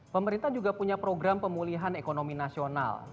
pemerintah juga punya program pemulihan ekonomi nasional